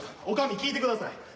女将聞いてください。